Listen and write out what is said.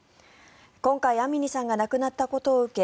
今回アミニさんが亡くなったことを受け